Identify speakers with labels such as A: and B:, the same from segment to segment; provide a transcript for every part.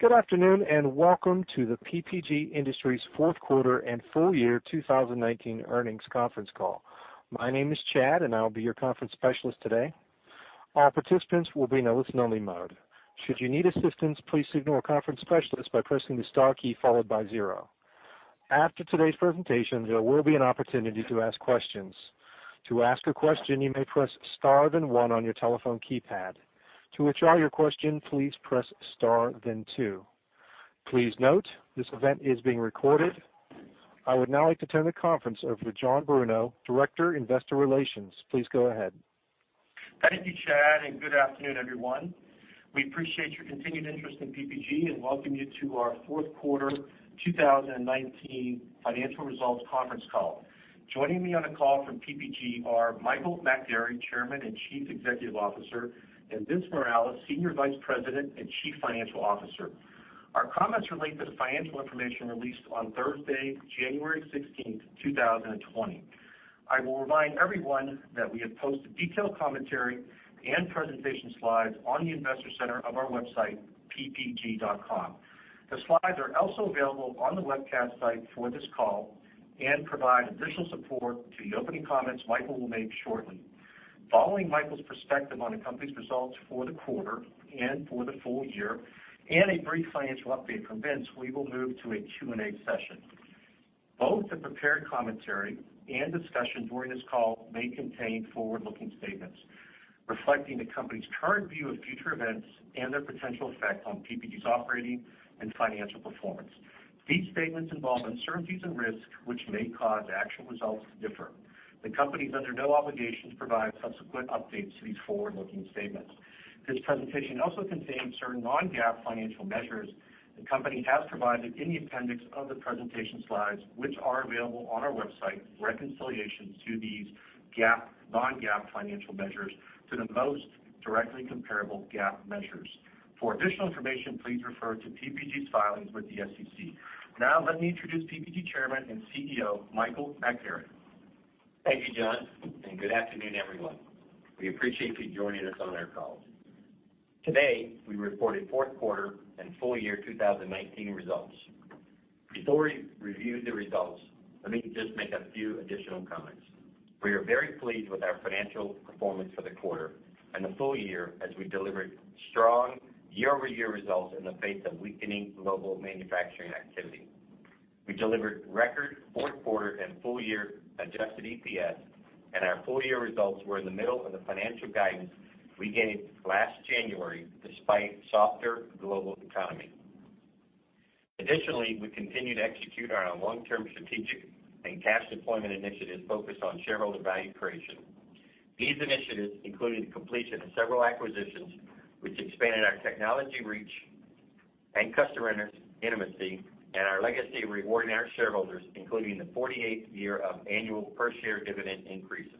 A: Good afternoon, and welcome to the PPG Industries fourth quarter and full year 2019 earnings conference call. My name is Chad, and I will be your conference specialist today. All participants will be in a listen only mode. Should you need assistance, please signal a conference specialist by pressing the star key followed by zero. After today's presentation, there will be an opportunity to ask questions. To ask a question, you may press star, then one on your telephone keypad. To withdraw your question, please press star, then two. Please note, this event is being recorded. I would now like to turn the conference over to John Bruno, Director, Investor Relations. Please go ahead.
B: Thank you, Chad, and good afternoon, everyone. We appreciate your continued interest in PPG and welcome you to our fourth quarter 2019 financial results conference call. Joining me on the call from PPG are Michael McGarry, Chairman and Chief Executive Officer, and Vince Morales, Senior Vice President and Chief Financial Officer. Our comments relate to the financial information released on Thursday, January 16th, 2020. I will remind everyone that we have posted detailed commentary and presentation slides on the investor center of our website, ppg.com. The slides are also available on the webcast site for this call and provide additional support to the opening comments Michael will make shortly. Following Michael's perspective on the company's results for the quarter and for the full year, and a brief financial update from Vince, we will move to a Q&A session. Both the prepared commentary and discussion during this call may contain forward-looking statements reflecting the company's current view of future events and their potential effect on PPG's operating and financial performance. These statements involve uncertainties and risks which may cause actual results to differ. The company is under no obligation to provide subsequent updates to these forward-looking statements. This presentation also contains certain non-GAAP financial measures the company has provided in the appendix of the presentation slides, which are available on our website, reconciliations to these non-GAAP financial measures to the most directly comparable GAAP measures. For additional information, please refer to PPG's filings with the SEC. Let me introduce PPG Chairman and CEO, Michael McGarry.
C: Thank you, John, and good afternoon, everyone. We appreciate you joining us on our call. Today, we reported fourth quarter and full year 2019 results. Before we review the results, let me just make a few additional comments. We are very pleased with our financial performance for the quarter and the full year as we delivered strong year-over-year results in the face of weakening global manufacturing activity. We delivered record fourth quarter and full year adjusted EPS, and our full year results were in the middle of the financial guidance we gave last January, despite softer global economy. Additionally, we continue to execute on our long-term strategic and cash deployment initiatives focused on shareholder value creation. These initiatives included the completion of several acquisitions, which expanded our technology reach and customer intimacy and our legacy of rewarding our shareholders, including the 48th year of annual per-share dividend increases.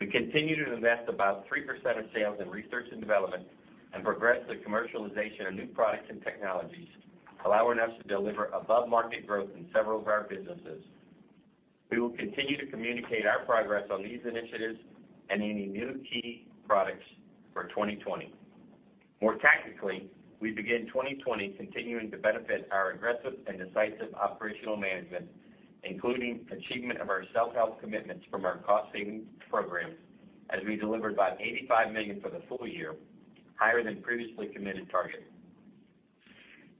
C: We continue to invest about 3% of sales in research and development and progress the commercialization of new products and technologies, allowing us to deliver above-market growth in several of our businesses. We will continue to communicate our progress on these initiatives and any new key products for 2020. More tactically, we begin 2020 continuing to benefit our aggressive and decisive operational management, including achievement of our self-help commitments from our cost-saving programs as we delivered about $85 million for the full year, higher than previously committed target.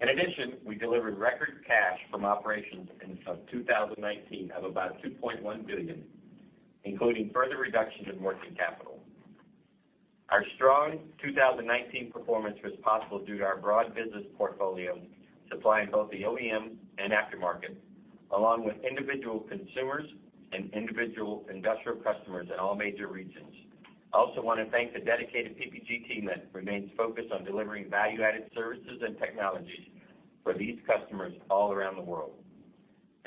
C: In addition, we delivered record cash from operations in 2019 of about $2.1 billion, including further reduction in working capital. Our strong 2019 performance was possible due to our broad business portfolio, supplying both the OEM and aftermarket, along with individual consumers and individual industrial customers in all major regions. I also want to thank the dedicated PPG team that remains focused on delivering value-added services and technologies for these customers all around the world.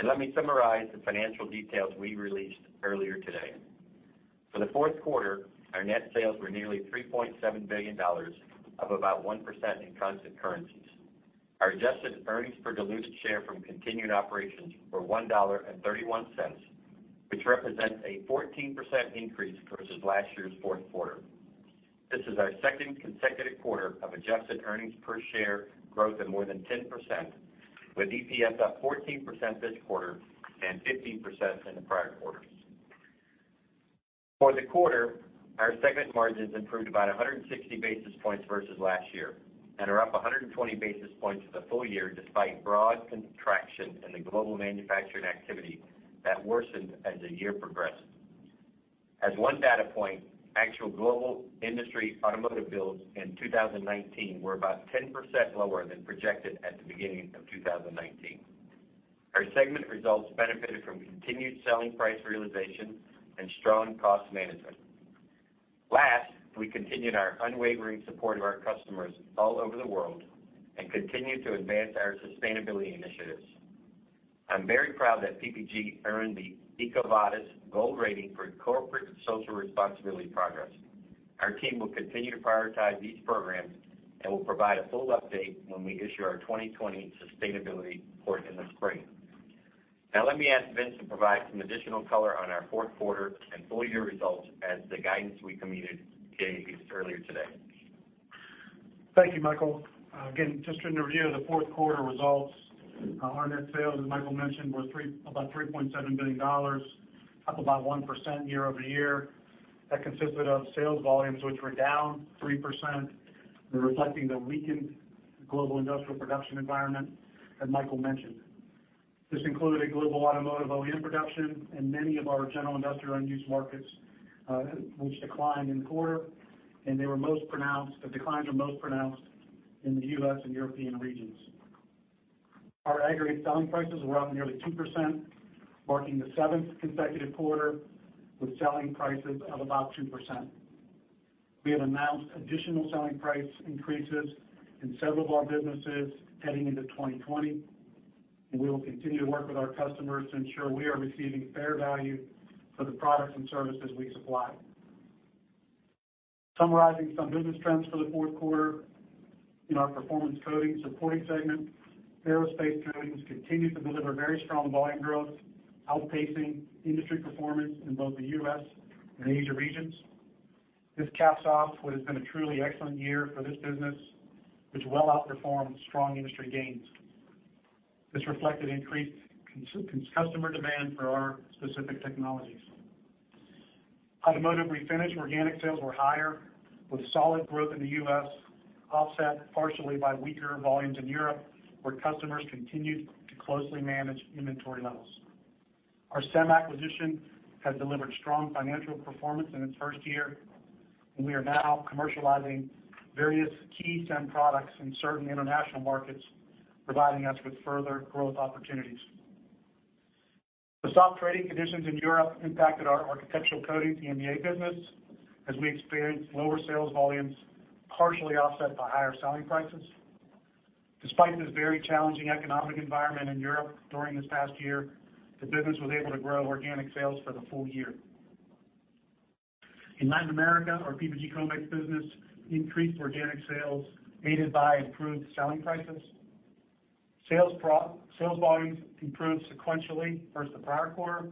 C: Let me summarize the financial details we released earlier today. For the fourth quarter, our net sales were nearly $3.7 billion of about 1% in constant currencies. Our adjusted earnings per diluted share from continued operations were $1.31, which represents a 14% increase versus last year's fourth quarter. This is our second consecutive quarter of adjusted earnings per share growth of more than 10%, with EPS up 14% this quarter and 15% in the prior quarter. For the quarter, our segment margins improved about 160 basis points versus last year and are up 120 basis points for the full year, despite broad contraction in the global manufacturing activity that worsened as the year progressed. As one data point, actual global industry automotive builds in 2019 were about 10% lower than projected at the beginning of 2019. Our segment results benefited from continued selling price realization and strong cost management. Last, we continued our unwavering support of our customers all over the world and continued to advance our sustainability initiatives. I'm very proud that PPG earned the EcoVadis Gold Rating for corporate and social responsibility progress. Our team will continue to prioritize these programs and will provide a full update when we issue our 2020 Sustainability Report in the spring. Let me ask Vince to provide some additional color on our fourth quarter and full year results as the guidance we communicated earlier today.
D: Thank you, Michael. Just in review of the fourth quarter results, our net sales, as Michael mentioned, were about $3.7 billion, up about 1% year-over-year. Consisted of sales volumes, which were down 3%, reflecting the weakened global industrial production environment that Michael mentioned. This included global Automotive OEM production and many of our general industrial end-use markets, which declined in the quarter. The declines were most pronounced in the U.S. and European regions. Our aggregate selling prices were up nearly 2%, marking the seventh consecutive quarter with selling prices of about 2%. We have announced additional selling price increases in several of our businesses heading into 2020. We will continue to work with our customers to ensure we are receiving fair value for the products and services we supply. Summarizing some business trends for the fourth quarter. In our Performance Coatings reporting segment, aerospace coatings continued to deliver very strong volume growth, outpacing industry performance in both the U.S. and Asia regions. This caps off what has been a truly excellent year for this business, which well outperformed strong industry gains. This reflected increased customer demand for our specific technologies. Automotive Refinish organic sales were higher with solid growth in the U.S., offset partially by weaker volumes in Europe, where customers continued to closely manage inventory levels. We are now commercializing various key SEM products in certain international markets, providing us with further growth opportunities. The soft trading conditions in Europe impacted our Architectural Coatings EMEA business, as we experienced lower sales volumes, partially offset by higher selling prices. Despite this very challenging economic environment in Europe during this past year, the business was able to grow organic sales for the full year. In Latin America, our PPG Comex business increased organic sales, aided by improved selling prices. Sales volumes improved sequentially versus the prior quarter,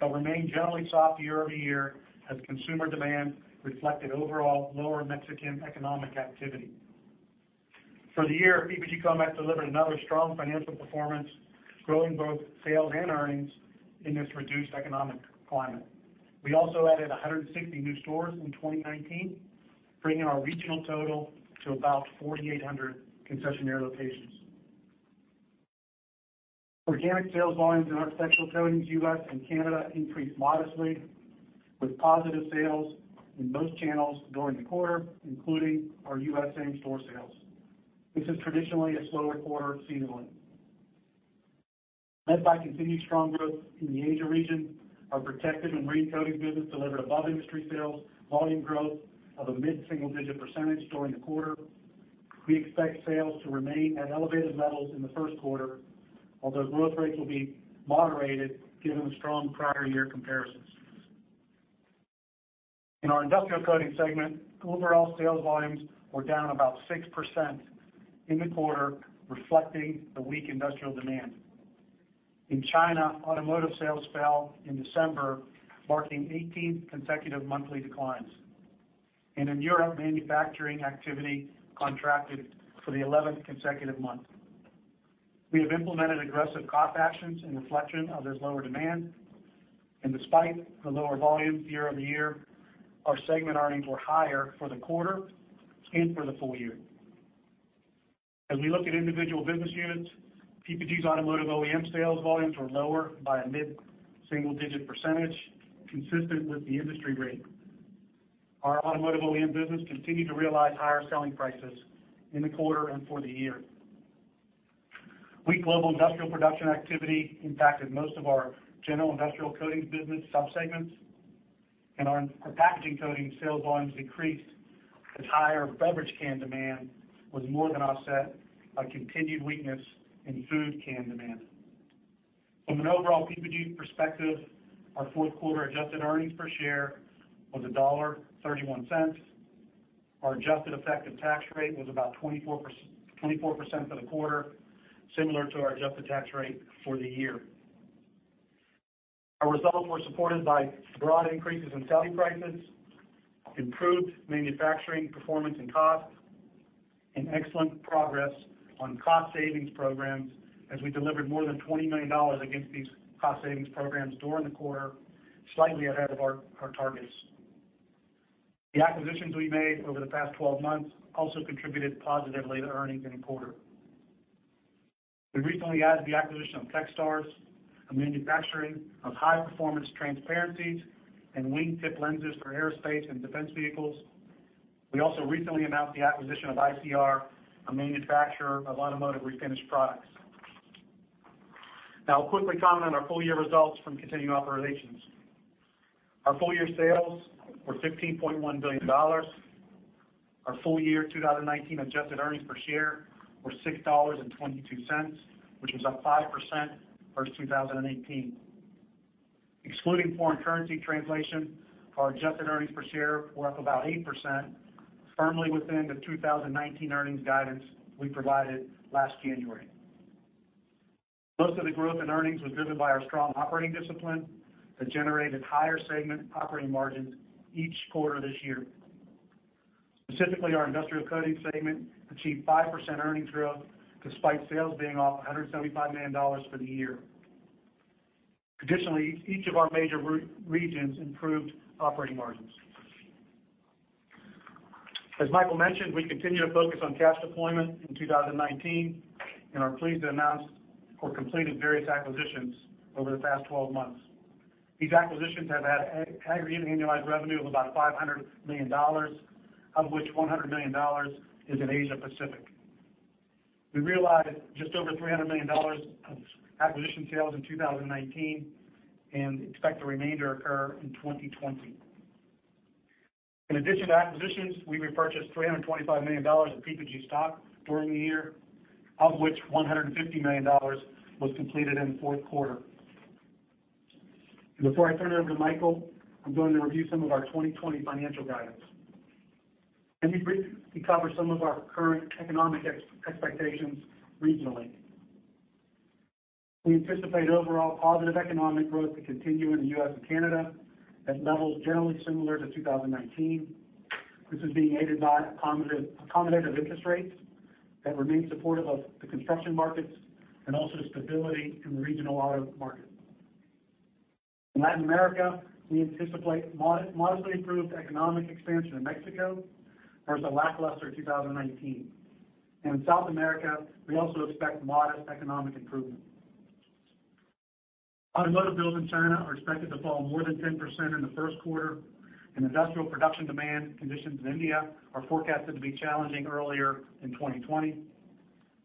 D: but remained generally soft year-over-year as consumer demand reflected overall lower Mexican economic activity. For the year, PPG Comex delivered another strong financial performance, growing both sales and earnings in this reduced economic climate. We also added 160 new stores in 2019, bringing our regional total to about 4,800 concessionaire locations. Organic sales volumes in Architectural Coatings U.S. and Canada increased modestly, with positive sales in most channels during the quarter, including our U.S. same-store sales. This is traditionally a slower quarter seasonally. Led by continued strong growth in the Asia region, our Protective and Marine Coatings business delivered above-industry sales volume growth of a mid-single-digit percentage during the quarter. We expect sales to remain at elevated levels in the first quarter, although growth rates will be moderated given the strong prior year comparisons. In our Industrial Coatings segment, overall sales volumes were down about 6% in the quarter, reflecting the weak industrial demand. In China, automotive sales fell in December, marking 18 consecutive monthly declines. In Europe, manufacturing activity contracted for the 11th consecutive month. We have implemented aggressive cost actions in reflection of this lower demand. Despite the lower volumes year-over-year, our segment earnings were higher for the quarter and for the full year. As we look at individual business units, PPG's Automotive OEM sales volumes were lower by a mid-single-digit percentage, consistent with the industry rate. Our Automotive OEM business continued to realize higher selling prices in the quarter and for the year. Weak global industrial production activity impacted most of our general Industrial Coatings business sub-segments, and our Packaging Coatings sales volumes decreased as higher beverage can demand was more than offset by continued weakness in food can demand. From an overall PPG perspective, our fourth quarter adjusted earnings per share was $1.31. Our adjusted effective tax rate was about 24% for the quarter, similar to our adjusted tax rate for the year. Our results were supported by broad increases in selling prices, improved manufacturing performance and cost, and excellent progress on cost savings programs as we delivered more than $20 million against these cost savings programs during the quarter, slightly ahead of our targets. The acquisitions we made over the past 12 months also contributed positively to earnings in the quarter. We recently added the acquisition of Texstars, a manufacturer of high-performance transparencies and wingtip lenses for aerospace and defense vehicles. We also recently announced the acquisition of ICR, a manufacturer of automotive refinish products. I'll quickly comment on our full year results from continuing operations. Our full year sales were $15.1 billion. Our full year 2019 adjusted earnings per share were $6.22, which was up 5% versus 2018. Excluding foreign currency translation, our adjusted earnings per share were up about 8%, firmly within the 2019 earnings guidance we provided last January. Most of the growth in earnings was driven by our strong operating discipline that generated higher segment operating margins each quarter this year. Specifically, our Industrial Coatings segment achieved 5% earnings growth despite sales being off $175 million for the year. Each of our major regions improved operating margins. As Michael mentioned, we continue to focus on cash deployment in 2019 and are pleased to announce or completed various acquisitions over the past 12 months. These acquisitions have had aggregate annualized revenue of about $500 million, of which $100 million is in Asia Pacific. We realized just over $300 million of acquisition sales in 2019 and expect the remainder to occur in 2020. In addition to acquisitions, we repurchased $325 million of PPG stock during the year, of which $150 million was completed in the fourth quarter. Before I turn it over to Michael, I'm going to review some of our 2020 financial guidance. Let me briefly cover some of our current economic expectations regionally. We anticipate overall positive economic growth to continue in the U.S. and Canada at levels generally similar to 2019. This is being aided by accommodative interest rates that remain supportive of the construction markets and also stability in the regional auto market. In Latin America, we anticipate modestly improved economic expansion in Mexico versus a lackluster 2019. In South America, we also expect modest economic improvement. Automotive builds in China are expected to fall more than 10% in the first quarter, and industrial production demand conditions in India are forecasted to be challenging earlier in 2020.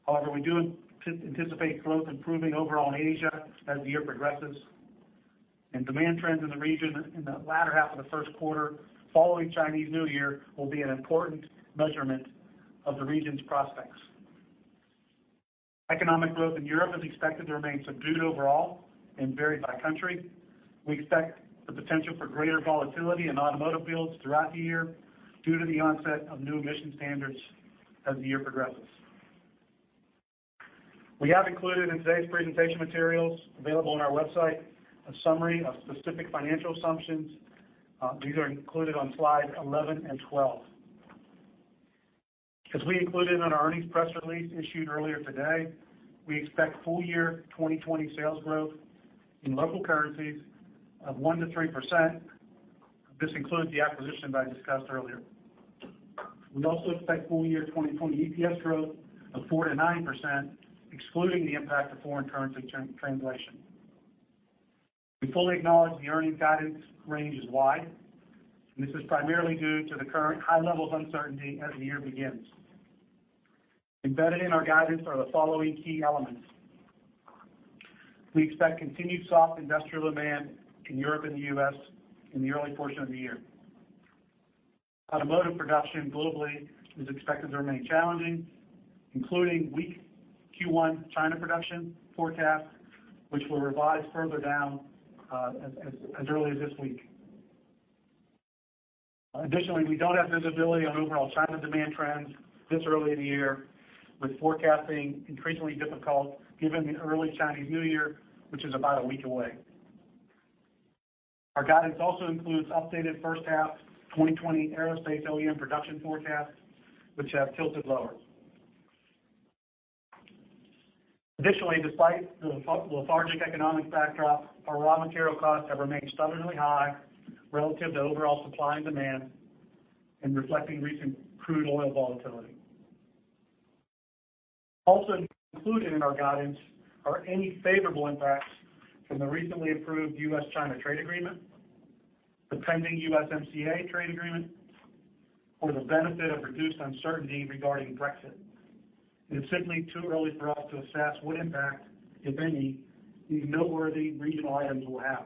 D: However, we do anticipate growth improving overall in Asia as the year progresses. Demand trends in the region in the latter half of the first quarter following Chinese New Year will be an important measurement of the region's prospects. Economic growth in Europe is expected to remain subdued overall and vary by country. We expect the potential for greater volatility in automotive builds throughout the year due to the onset of new emission standards as the year progresses. We have included in today's presentation materials, available on our website, a summary of specific financial assumptions. These are included on slides 11 and 12. As we included in our earnings press release issued earlier today, we expect full year 2020 sales growth in local currencies of 1%-3%. This includes the acquisition that I discussed earlier. We also expect full year 2020 EPS growth of 4%-9%, excluding the impact of foreign currency translation. We fully acknowledge the earnings guidance range is wide, and this is primarily due to the current high levels of uncertainty as the year begins. Embedded in our guidance are the following key elements. We expect continued soft industrial demand in Europe and the U.S. in the early portion of the year. Automotive production globally is expected to remain challenging, including weak Q1 China production forecasts, which we'll revise further down as early as this week. Additionally, we don't have visibility on overall China demand trends this early in the year, with forecasting increasingly difficult given the early Chinese New Year, which is about one week away. Our guidance also includes updated first half 2020 aerospace OEM production forecasts, which have tilted lower. Additionally, despite the lethargic economic backdrop, our raw material costs have remained stubbornly high relative to overall supply and demand and reflecting recent crude oil volatility. Also included in our guidance are any favorable impacts from the recently approved U.S.-China trade agreement, the pending USMCA trade agreement, or the benefit of reduced uncertainty regarding Brexit. It is simply too early for us to assess what impact, if any, these noteworthy regional items will have.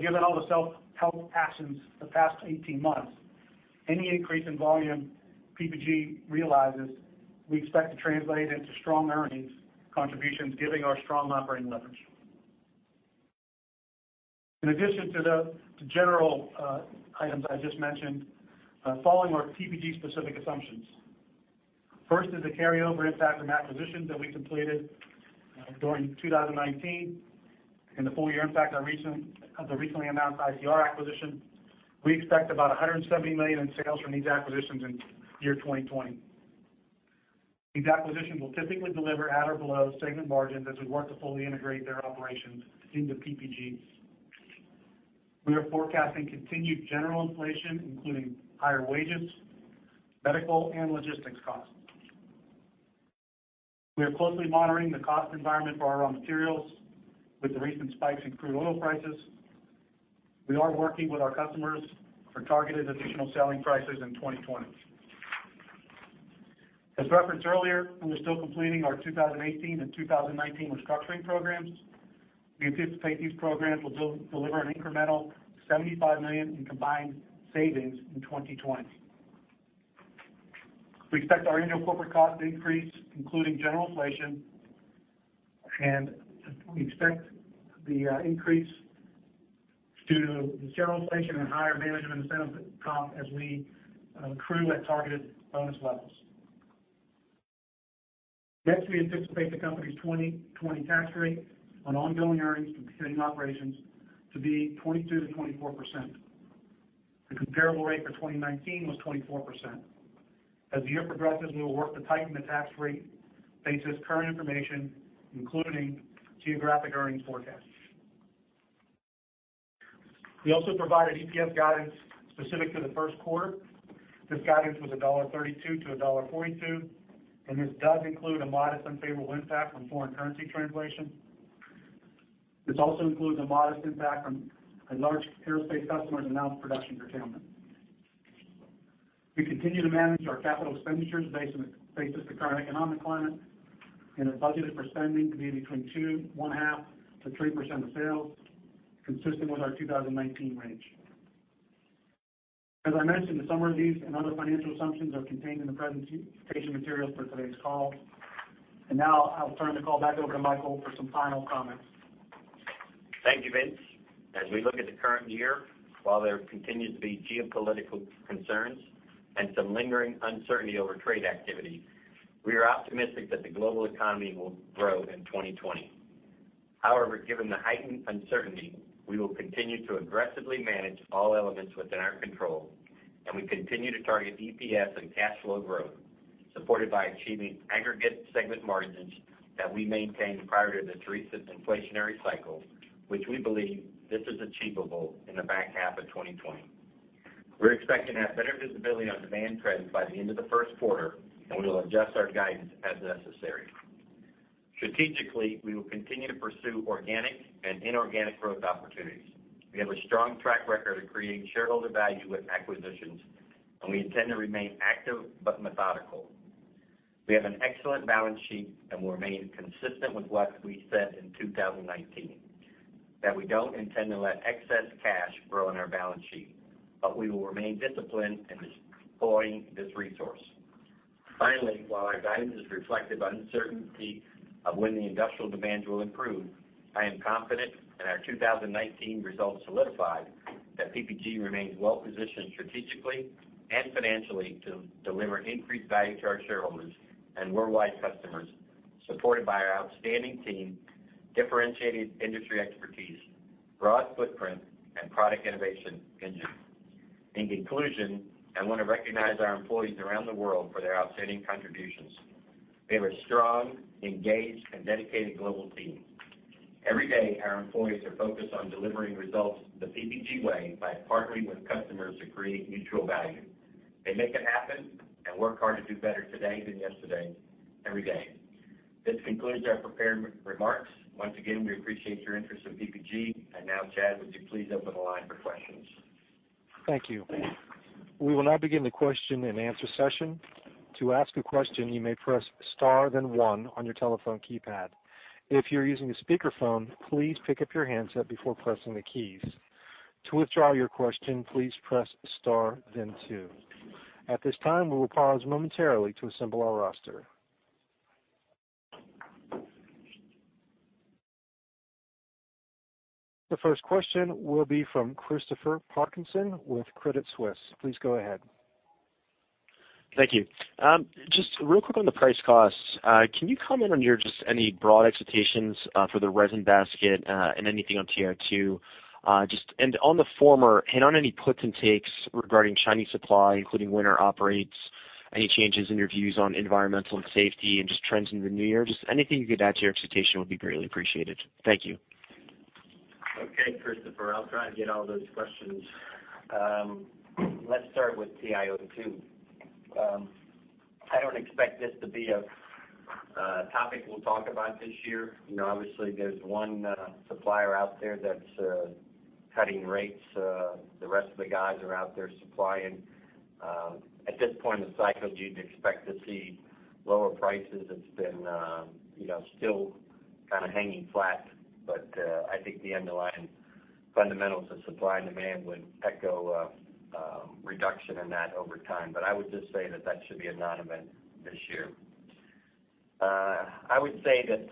D: Given all the self-help actions of the past 18 months, any increase in volume PPG realizes, we expect to translate into strong earnings contributions given our strong operating leverage. In addition to the general items I just mentioned, following are PPG specific assumptions. First is the carryover impact from acquisitions that we completed during 2019 and the full year impact of the recently announced ICR acquisition. We expect about $170 million in sales from these acquisitions in the year 2020. These acquisitions will typically deliver at or below segment margins as we work to fully integrate their operations into PPG. We are forecasting continued general inflation, including higher wages, medical, and logistics costs. We are closely monitoring the cost environment for our raw materials with the recent spikes in crude oil prices. We are working with our customers for targeted additional selling prices in 2020. As referenced earlier, we are still completing our 2018 and 2019 restructuring programs. We anticipate these programs will deliver an incremental $75 million in combined savings in 2020. We expect our annual corporate cost to increase, including general inflation. We expect the increase to the general inflation and higher management incentive comp as we accrue at targeted bonus levels. Next, we anticipate the company's 2020 tax rate on ongoing earnings from continuing operations to be 22%-24%. The comparable rate for 2019 was 24%. As the year progresses, we will work to tighten the tax rate based on current information, including geographic earnings forecasts. We also provided EPS guidance specific to the first quarter. This guidance was $1.32 to $1.42, and this does include a modest unfavorable impact from foreign currency translation. This also includes a modest impact from a large aerospace customer's announced production curtailment. We continue to manage our capital expenditures based on the current economic climate, and have budgeted for spending to be between 2.5% to 3% of sales, consistent with our 2019 range. As I mentioned, the summary of these and other financial assumptions are contained in the presentation materials for today's call. Now I'll turn the call back over to Michael for some final comments.
C: Thank you, Vince. As we look at the current year, while there continue to be geopolitical concerns and some lingering uncertainty over trade activity, we are optimistic that the global economy will grow in 2020. However, given the heightened uncertainty, we will continue to aggressively manage all elements within our control, and we continue to target EPS and cash flow growth, supported by achieving aggregate segment margins that we maintained prior to this recent inflationary cycle, which we believe this is achievable in the back half of 2020. We're expecting to have better visibility on demand trends by the end of the first quarter, and we will adjust our guidance as necessary. Strategically, we will continue to pursue organic and inorganic growth opportunities. We have a strong track record of creating shareholder value with acquisitions, and we intend to remain active but methodical. We have an excellent balance sheet, and we remain consistent with what we said in 2019, that we don't intend to let excess cash grow on our balance sheet, but we will remain disciplined in deploying this resource. Finally, while our guidance is reflective of uncertainty of when the industrial demands will improve, I am confident that our 2019 results solidified that PPG remains well-positioned strategically and financially to deliver increased value to our shareholders and worldwide customers, supported by our outstanding team, differentiated industry expertise, broad footprint, and product innovation engine. In conclusion, I want to recognize our employees around the world for their outstanding contributions. We have a strong, engaged, and dedicated global team. Every day, our employees are focused on delivering results the PPG way by partnering with customers to create mutual value. They make it happen and work hard to do better today than yesterday, every day. This concludes our prepared remarks. Once again, we appreciate your interest in PPG. Now, Chad, would you please open the line for questions?
A: Thank you. We will now begin the question and answer session. To ask a question, you may press star then one on your telephone keypad. If you are using a speakerphone, please pick up your handset before pressing the keys. To withdraw your question, please press star then two. At this time, we will pause momentarily to assemble our roster. The first question will be from Christopher Parkinson with Credit Suisse. Please go ahead.
E: Thank you. Just real quick on the price costs. Can you comment on your broad expectations for the resin basket and anything on TiO2? On the former, any puts and takes regarding Chinese supply, including winter operates, any changes in your views on environmental and safety, and just trends into the new year? Just anything you could add to your expectation would be greatly appreciated. Thank you.
C: Okay, Christopher. I'll try to get all those questions. Let's start with TiO2. I don't expect this to be a topic we'll talk about this year. Obviously, there's one supplier out there that's cutting rates. The rest of the guys are out there supplying. At this point in the cycle, you'd expect to see lower prices. It's been still kind of hanging flat, but I think the underlying fundamentals of supply and demand would echo a reduction in that over time. I would just say that that should be a non-event this year. I would say that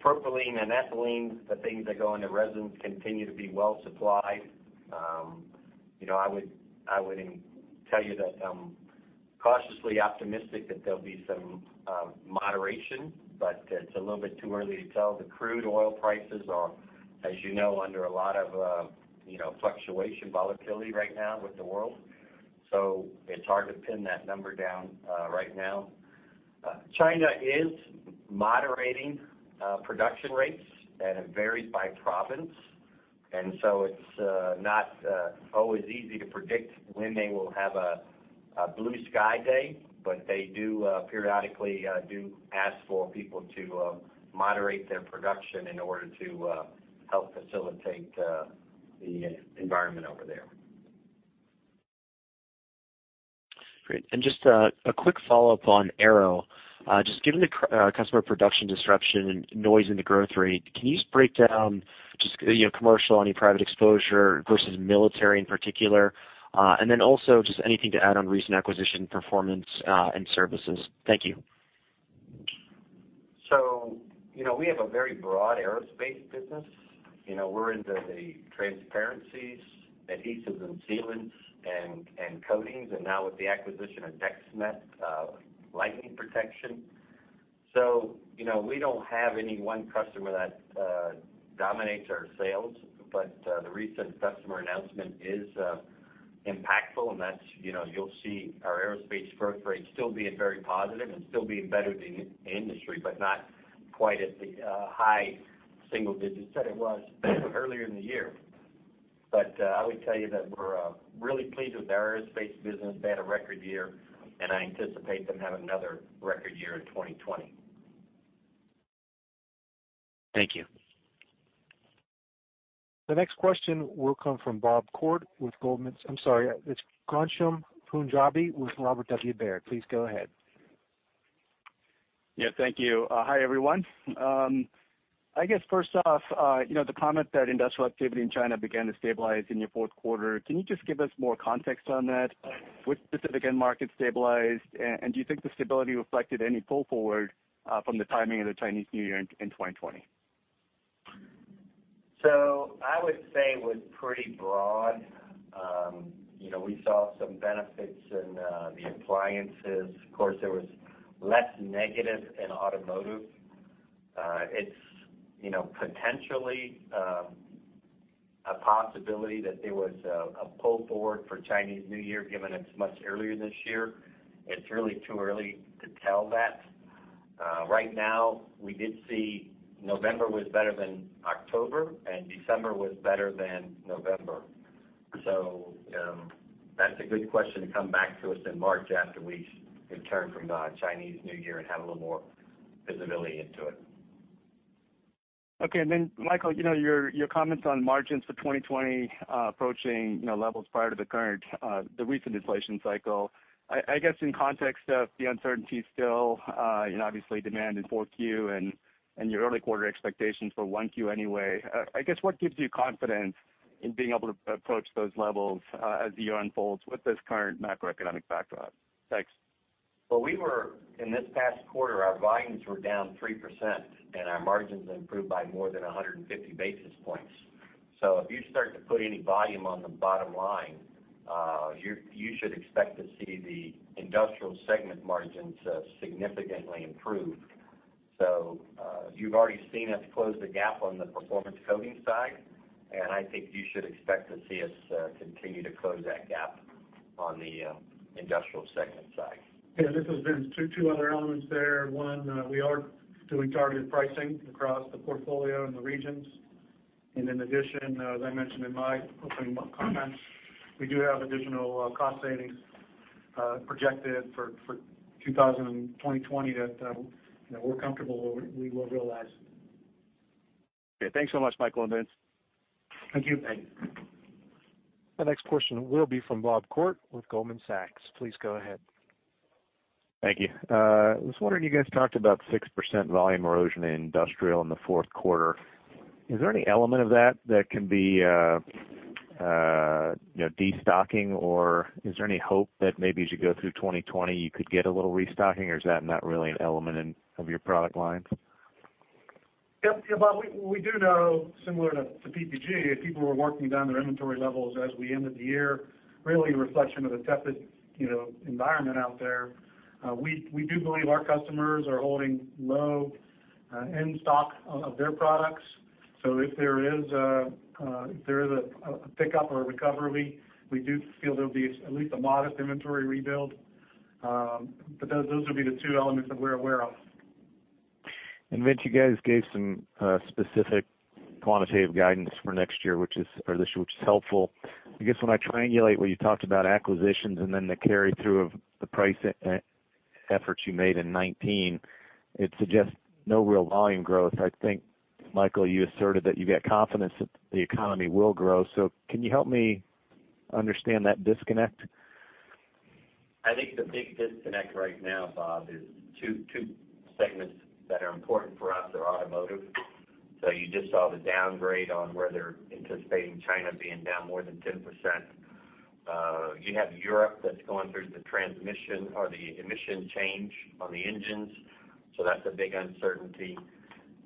C: propylene and ethylene, the things that go into resins, continue to be well supplied. I would tell you that I'm cautiously optimistic that there'll be some moderation, but it's a little bit too early to tell. The crude oil prices are, as you know, under a lot of fluctuation volatility right now with the world. It's hard to pin that number down right now. China is moderating production rates, and it varies by province, and so it's not always easy to predict when they will have a blue sky day. They periodically do ask for people to moderate their production in order to help facilitate the environment over there.
E: Great. Just a quick follow-up on Aero. Just given the customer production disruption and noise in the growth rate, can you just break down commercial, any private exposure versus military in particular? Also, just anything to add on recent acquisition performance and services. Thank you.
C: We have a very broad Aerospace business. We're into the transparencies, adhesives and sealants, and coatings, and now with the acquisition of Dexmet, lightning protection. We don't have any one customer that dominates our sales, but the recent customer announcement is impactful, and you'll see our Aerospace growth rate still being very positive and still being better than the industry, but not quite at the high single digits that it was earlier in the year. I would tell you that we're really pleased with our Aerospace business. We had a record year, and I anticipate them having another record year in 2020.
E: Thank you.
A: The next question will come from Bob Koort with Goldman. I'm sorry, it's Ghansham Panjabi with Robert W. Baird. Please go ahead.
F: Yeah, thank you. Hi, everyone. I guess first off, the comment that industrial activity in China began to stabilize in your fourth quarter, can you just give us more context on that? Which specific end market stabilized, and do you think the stability reflected any pull forward from the timing of the Chinese New Year in 2020?
C: I would say it was pretty broad. We saw some benefits in the appliances. Of course, there was less negative in automotive. It's potentially a possibility that there was a pull forward for Chinese New Year, given it's much earlier this year. It's really too early to tell that. Right now, we did see November was better than October, and December was better than November. That's a good question to come back to us in March after we return from the Chinese New Year and have a little more visibility into it.
F: Okay, Michael, your comments on margins for 2020 approaching levels prior to the recent inflation cycle. I guess in context of the uncertainty still, obviously demand in Q4 and your early quarter expectations for 1Q anyway, I guess what gives you confidence in being able to approach those levels as the year unfolds with this current macroeconomic backdrop? Thanks.
C: Well, in this past quarter, our volumes were down 3%, and our margins improved by more than 150 basis points. If you start to put any volume on the bottom line, you should expect to see the Industrial Coatings segment margins significantly improve. You've already seen us close the gap on the Performance Coatings side, and I think you should expect to see us continue to close that gap on the Industrial Coatings segment side.
D: Yeah, this is Vince. Two other elements there. One, we are doing targeted pricing across the portfolio and the regions. In addition, as I mentioned in my opening comments, we do have additional cost savings projected for 2020 that we're comfortable we will realize.
F: Okay. Thanks so much, Michael and Vince.
D: Thank you.
C: Thank you.
A: The next question will be from Bob Koort with Goldman Sachs. Please go ahead.
G: Thank you. I was wondering, you guys talked about 6% volume erosion in Industrial Coatings in the fourth quarter. Is there any element of that that can be de-stocking, or is there any hope that maybe as you go through 2020, you could get a little restocking, or is that not really an element of your product lines?
D: Yeah, Bob, we do know, similar to PPG, people were working down their inventory levels as we ended the year, really a reflection of the tepid environment out there. We do believe our customers are holding low end stock of their products. If there is a pickup or a recovery, we do feel there'll be at least a modest inventory rebuild. Those will be the two elements that we're aware of.
G: Vince, you guys gave some specific quantitative guidance for next year, which is helpful. I guess when I triangulate what you talked about acquisitions and then the carry through of the price efforts you made in 2019, it suggests no real volume growth. I think, Michael, you asserted that you got confidence that the economy will grow. Can you help me understand that disconnect?
C: I think the big disconnect right now, Bob, is two segments that are important for us are automotive. You just saw the downgrade on where they're anticipating China being down more than 10%. You have Europe that's going through the emission change on the engines, that's a big uncertainty.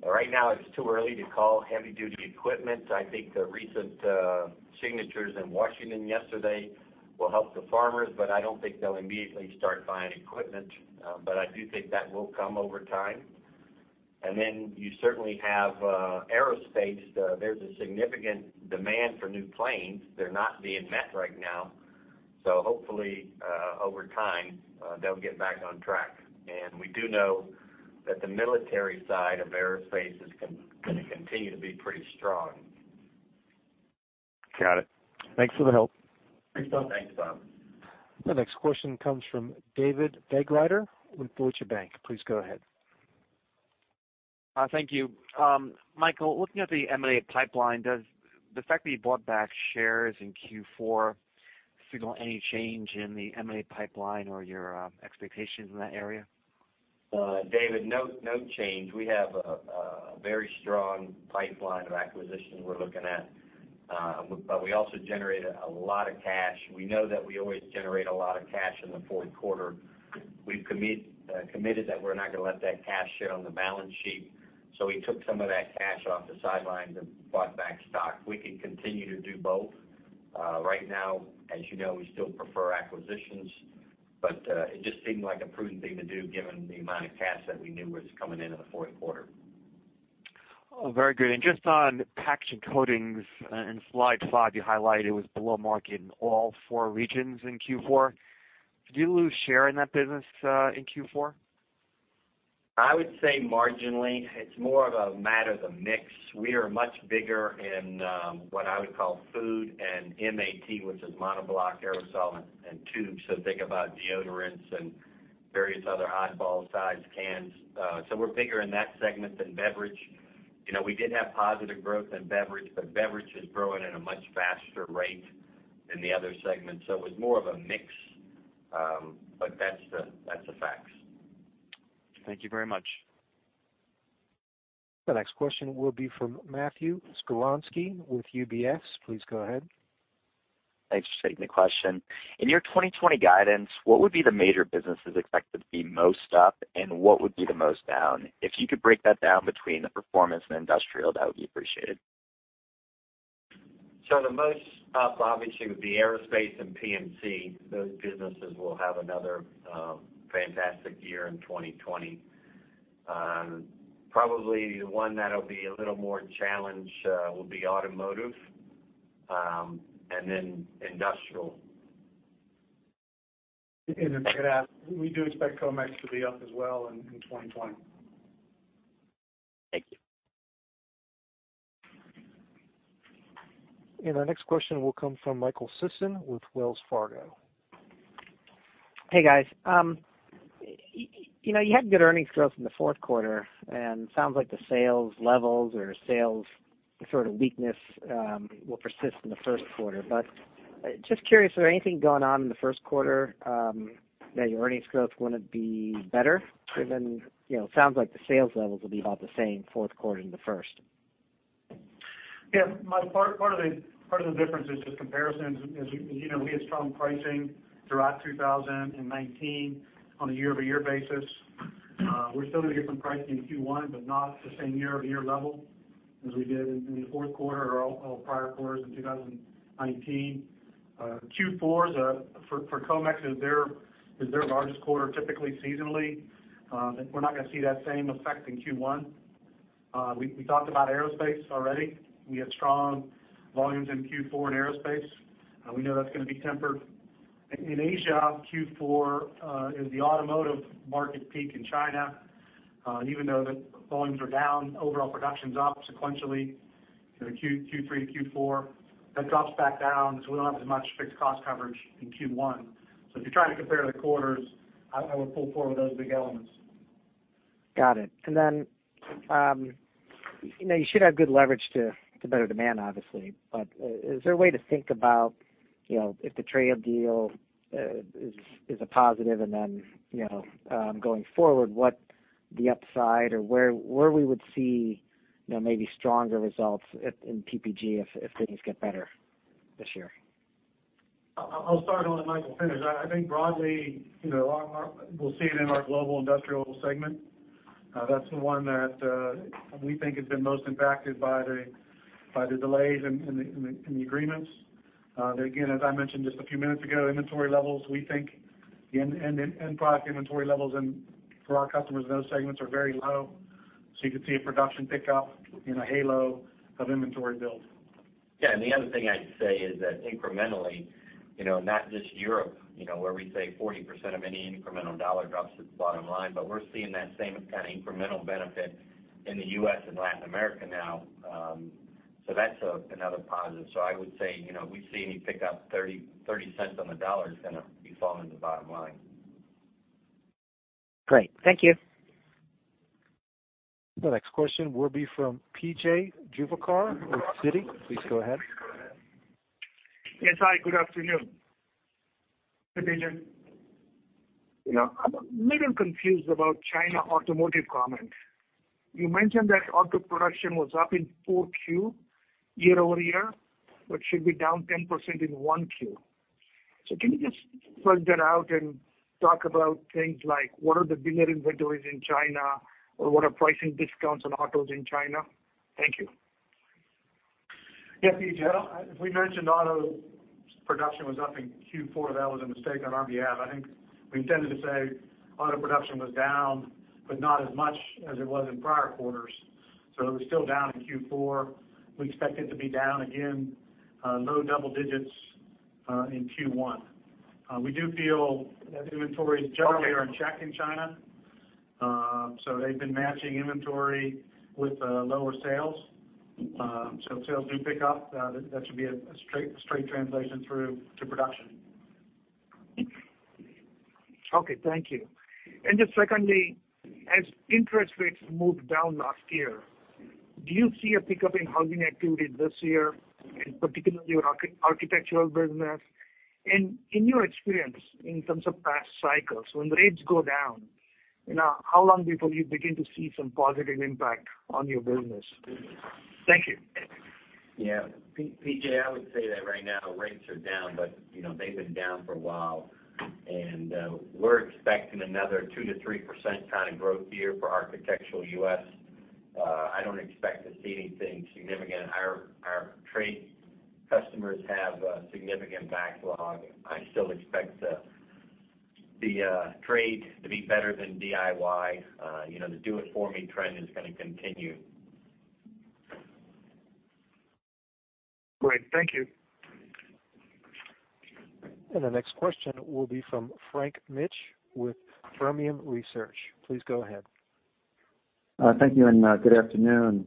C: Right now it's too early to call heavy duty equipment. I think the recent signatures in Washington yesterday will help the farmers, I don't think they'll immediately start buying equipment. I do think that will come over time. You certainly have Aerospace. There's a significant demand for new planes. They're not being met right now. Hopefully, over time, they'll get back on track. We do know that the military side of Aerospace is going to continue to be pretty strong.
G: Got it. Thanks for the help.
D: Thanks, Bob.
C: Thanks, Bob.
A: The next question comes from David Begleiter with Deutsche Bank. Please go ahead.
H: Thank you. Michael, looking at the M&A pipeline, does the fact that you bought back shares in Q4 signal any change in the M&A pipeline or your expectations in that area?
C: David, no change. We have a very strong pipeline of acquisitions we're looking at. We also generated a lot of cash. We know that we always generate a lot of cash in the fourth quarter. We've committed that we're not going to let that cash sit on the balance sheet. We took some of that cash off the sidelines and bought back stock. We can continue to do both. Right now, as you know, we still prefer acquisitions, but it just seemed like a prudent thing to do given the amount of cash that we knew was coming in in the fourth quarter.
H: Very good. Just on Packaging Coatings, in slide five, you highlighted it was below market in all four regions in Q4. Did you lose share in that business in Q4?
C: I would say marginally. It's more of a matter of the mix. We are much bigger in what I would call food and MAT, which is monoblock aerosol and tubes, so think about deodorants and various other oddball sized cans. We're bigger in that segment than beverage. We did have positive growth in beverage, but beverage is growing at a much faster rate than the other segments. It was more of a mix, but that's the facts.
H: Thank you very much.
A: The next question will be from Matthew Skolasky with UBS. Please go ahead.
I: Thanks for taking the question. In your 2020 guidance, what would be the major businesses expected to be most up, and what would be the most down? If you could break that down between the Performance and Industrial, that would be appreciated.
C: The most up obviously would be Aerospace and PMC. Those businesses will have another fantastic year in 2020. Probably the one that'll be a little more challenged will be Automotive, and then Industrial.
D: To add, we do expect PPG Comex to be up as well in 2020.
I: Thank you.
A: Our next question will come from Michael Sison with Wells Fargo.
J: Hey, guys. You had good earnings growth in the fourth quarter. Sounds like the sales levels or sales sort of weakness will persist in the first quarter. Just curious, is there anything going on in the first quarter that your earnings growth wouldn't be better, given, sounds like the sales levels will be about the same fourth quarter and the first?
D: Yeah, Mike, part of the difference is just comparisons. As you know, we had strong pricing throughout 2019 on a year-over-year basis. We're still going to get some pricing in Q1, but not the same year-over-year level as we did in the fourth quarter or all prior quarters in 2019. Q4, for Comex, is their largest quarter, typically, seasonally. We're not going to see that same effect in Q1. We talked about aerospace already. We had strong volumes in Q4 in aerospace. We know that's going to be tempered. In Asia, Q4 is the automotive market peak in China. Even though the volumes are down, overall production's up sequentially, Q3 to Q4. That drops back down, we don't have as much fixed cost coverage in Q1. If you're trying to compare the quarters, I would pull forward those big elements.
J: Got it. You should have good leverage to better demand, obviously. Is there a way to think about if the trade deal is a positive and then, going forward, what the upside or where we would see maybe stronger results in PPG if things get better this year?
D: I'll start, Michael, and finish. I think broadly, we'll see it in our global industrial segment. That's the one that we think has been most impacted by the delays in the agreements. Again, as I mentioned just a few minutes ago, inventory levels, we think end product inventory levels and for our customers in those segments are very low. You could see a production pick up in a halo of inventory build.
C: Yeah, the other thing I'd say is that incrementally, not just Europe, where we say 40% of any incremental dollar drops to the bottom line, but we're seeing that same kind of incremental benefit in the U.S. and Latin America now. That's another positive. I would say, we see any pick up, $0.30 on the dollar is going to be falling to the bottom line.
J: Great. Thank you.
A: The next question will be from P.J. Juvekar with Citi. Please go ahead.
K: Yes, hi, good afternoon. Good evening. I'm a little confused about China automotive comment. You mentioned that auto production was up in 4Q year-over-year, but should be down 10% in 1Q. Can you just flesh that out and talk about things like what are the dealer inventories in China, or what are pricing discounts on autos in China? Thank you.
D: Yes, P.J. If we mentioned auto production was up in Q4, that was a mistake on our behalf. I think we intended to say auto production was down, but not as much as it was in prior quarters. It was still down in Q4. We expect it to be down again low double digits in Q1. We do feel that inventories generally are in check in China. They've been matching inventory with lower sales. If sales do pick up, that should be a straight translation through to production.
K: Okay. Thank you. Just secondly, as interest rates moved down last year, do you see a pickup in housing activity this year, in particular your Architectural business? In your experience, in terms of past cycles, when rates go down, how long before you begin to see some positive impact on your business? Thank you.
C: Yeah. P.J., I would say that right now rates are down, but they've been down for a while. We're expecting another 2%-3% kind of growth year for Architectural U.S. I don't expect to see anything significant. Our trade customers have a significant backlog. I still expect the trade to be better than DIY. The do it for me trend is going to continue.
K: Great. Thank you.
A: The next question will be from Frank Mitsch with Fermium Research. Please go ahead.
L: Thank you, and good afternoon.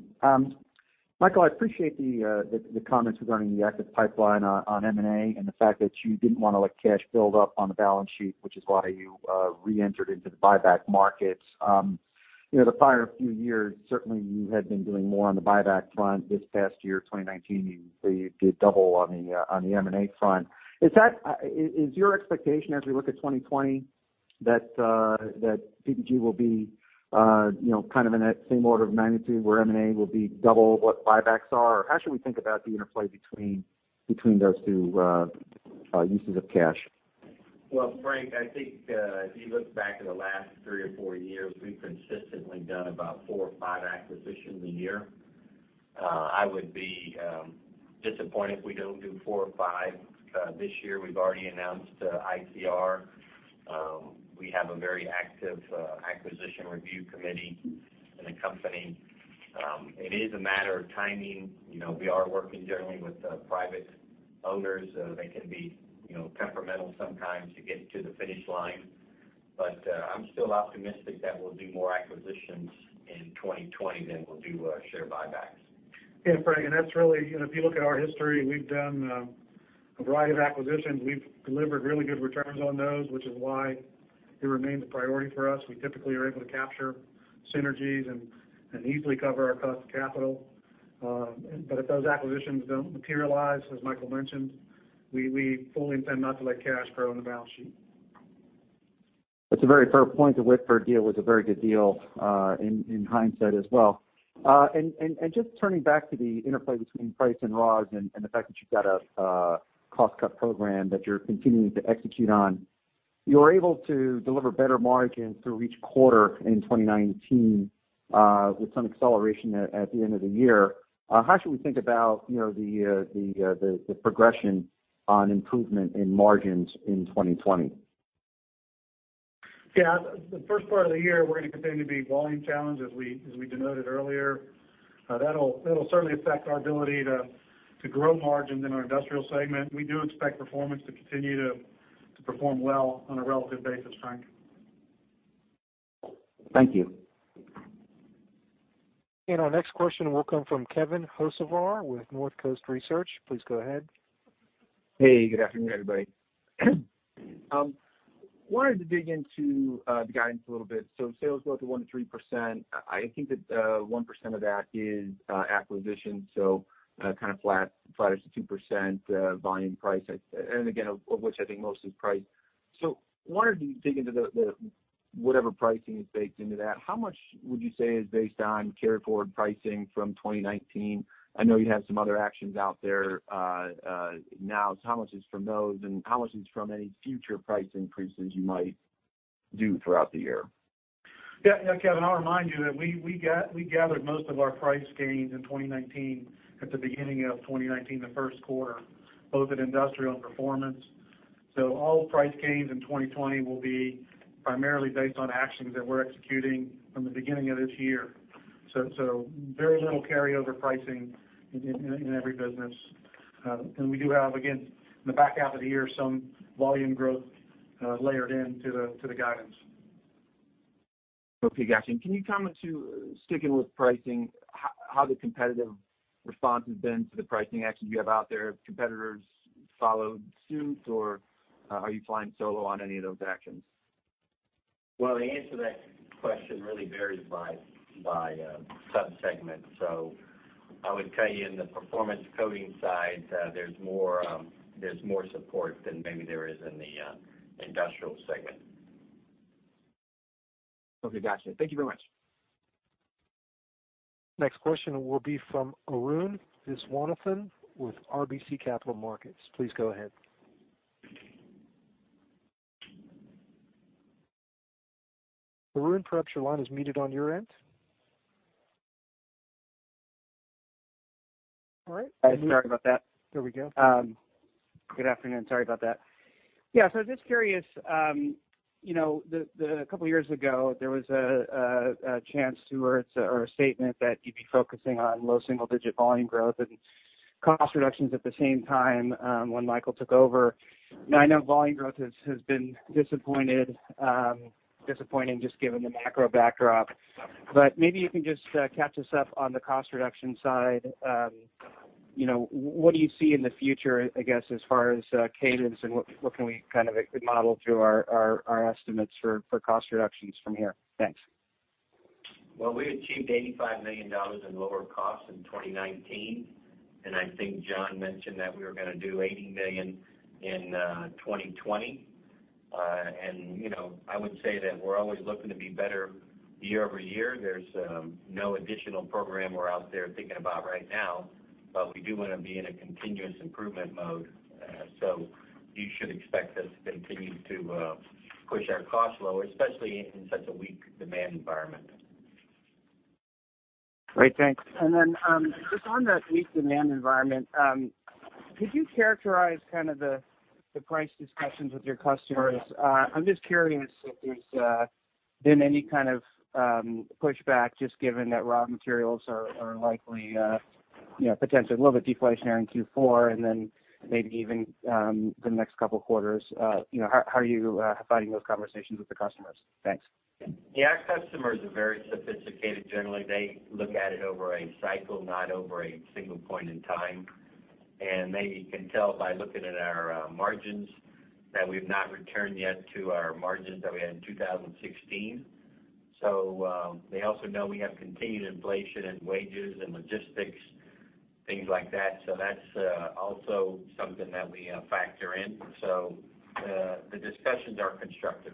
L: Michael, I appreciate the comments regarding the active pipeline on M&A and the fact that you didn't want to let cash build up on the balance sheet, which is why you reentered into the buyback market. The prior few years, certainly you had been doing more on the buyback front. This past year, 2019, you did double on the M&A front. Is your expectation as we look at 2020 that PPG will be kind of in that same order of magnitude where M&A will be double what buybacks are? How should we think about the interplay between those two uses of cash?
C: Frank, I think if you look back at the last three or four years, we've consistently done about four or five acquisitions a year. I would be disappointed if we don't do four or five this year. We've already announced ICR. We have a very active acquisition review committee in the company. It is a matter of timing. We are working generally with private owners. They can be temperamental sometimes to get to the finish line. I'm still optimistic that we'll do more acquisitions in 2020 than we'll do share buybacks.
D: Yeah, Frank, that's really, if you look at our history, we've done a variety of acquisitions. We've delivered really good returns on those, which is why it remains a priority for us. We typically are able to capture synergies and easily cover our cost of capital. If those acquisitions don't materialize, as Michael mentioned, we fully intend not to let cash grow on the balance sheet.
L: That's a very fair point. The Whitford deal was a very good deal in hindsight as well. Just turning back to the interplay between price and raws and the fact that you've got a cost cut program that you're continuing to execute on. You were able to deliver better margins through each quarter in 2019, with some acceleration at the end of the year. How should we think about the progression on improvement in margins in 2020?
D: Yeah. The first part of the year, we're going to continue to be volume challenged, as we denoted earlier. That'll certainly affect our ability to grow margins in our industrial segment. We do expect Performance to continue to perform well on a relative basis, Frank.
L: Thank you.
A: Our next question will come from Kevin Hocevar with Northcoast Research. Please go ahead.
M: Hey, good afternoon, everybody. Wanted to dig into the guidance a little bit. Sales growth of 1% to 3%. I think that 1% of that is acquisition. Kind of flatish to 2% volume price, and again, of which I think most is price. Wanted to dig into whatever pricing is baked into that, how much would you say is based on carry forward pricing from 2019? I know you have some other actions out there now. How much is from those, and how much is from any future price increases you might do throughout the year?
D: Yeah, Kevin, I'll remind you that we gathered most of our price gains in 2019 at the beginning of 2019, the first quarter, both in Industrial and Performance. All price gains in 2020 will be primarily based on actions that we're executing from the beginning of this year. Very little carryover pricing in every business. We do have, again, in the back half of the year, some volume growth layered into the guidance.
M: Okay, got you. Can you comment to, sticking with pricing, how the competitive response has been to the pricing actions you have out there? Have competitors followed suit, or are you flying solo on any of those actions?
C: Well, the answer to that question really varies by sub-segment. I would tell you in the Performance Coatings side, there's more support than maybe there is in the Industrial segment.
M: Okay, gotcha. Thank you very much.
A: Next question will be from Arun Viswanathan with RBC Capital Markets. Please go ahead. Arun, perhaps your line is muted on your end. All right.
N: Sorry about that.
A: There we go.
N: Good afternoon. Sorry about that. Yeah, just curious. A couple of years ago, there was a chance or a statement that you'd be focusing on low single digit volume growth and cost reductions at the same time when Michael took over. I know volume growth has been disappointing, just given the macro backdrop. Maybe you can just catch us up on the cost reduction side. What do you see in the future, I guess, as far as cadence and what can we kind of model through our estimates for cost reductions from here? Thanks.
C: We achieved $85 million in lower costs in 2019, and I think John mentioned that we were going to do $80 million in 2020. I would say that we're always looking to be better year over year. There's no additional program we're out there thinking about right now, but we do want to be in a continuous improvement mode. You should expect us to continue to push our costs lower, especially in such a weak demand environment.
N: Great. Thanks. Then just on that weak demand environment, could you characterize kind of the price discussions with your customers? I'm just curious if there's been any kind of pushback, just given that raw materials are likely potentially a little bit deflationary in Q4 and then maybe even the next couple of quarters. How are you finding those conversations with the customers? Thanks.
C: Yeah, our customers are very sophisticated. Generally, they look at it over a cycle, not over a single point in time. Maybe you can tell by looking at our margins that we've not returned yet to our margins that we had in 2016. They also know we have continued inflation in wages and logistics, things like that. That's also something that we factor in. The discussions are constructive.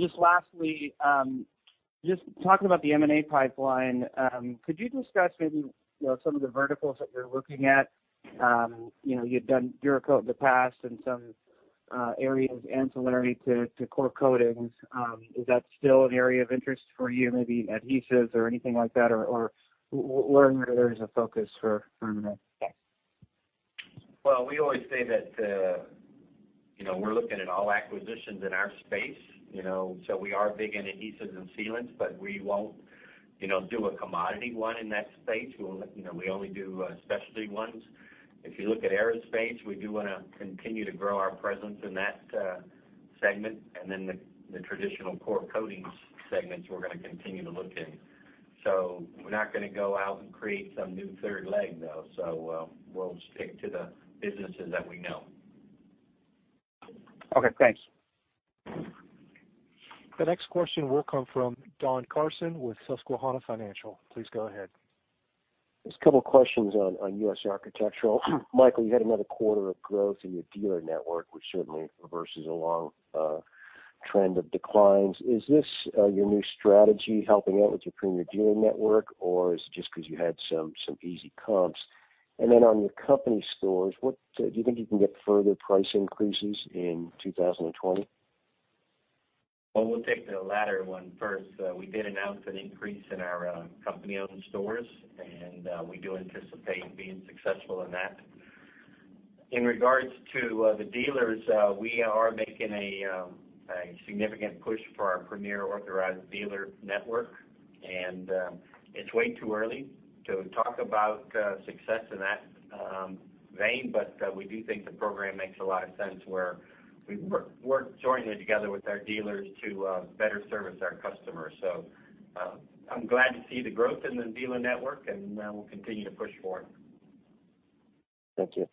N: Just lastly, just talking about the M&A pipeline, could you discuss maybe some of the verticals that you're looking at? You've done Duracoat in the past and some areas ancillary to core coatings. Is that still an area of interest for you, maybe adhesives or anything like that? Where is the focus for a minute?
C: Well, we always say that we're looking at all acquisitions in our space. We are big in adhesives and sealants, but we won't do a commodity one in that space. We only do specialty ones. If you look at Aerospace, we do want to continue to grow our presence in that segment. The traditional core coatings segments we're going to continue to look in. We're not going to go out and create some new third leg, though. We'll stick to the businesses that we know.
N: Okay, thanks.
A: The next question will come from Don Carson with Susquehanna Financial. Please go ahead.
O: Just a couple of questions on U.S. Architectural. Michael, you had another quarter of growth in your dealer network, which certainly reverses a long trend of declines. Is this your new strategy helping out with your premier dealer network, or is it just because you had some easy comps? On your company stores, do you think you can get further price increases in 2020?
C: Well, we'll take the latter one first. We did announce an increase in our company-owned stores, and we do anticipate being successful in that. In regards to the dealers, we are making a significant push for our premier authorized dealer network, and it's way too early to talk about success in that vein. We do think the program makes a lot of sense where we work jointly together with our dealers to better service our customers. I'm glad to see the growth in the dealer network, and we'll continue to push for it.
O: Thank you.